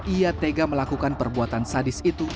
ia tega melakukan perbuatan sadis itu